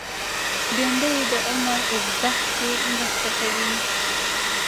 بېنډۍ د عمر اوږدښت کې مرسته کوي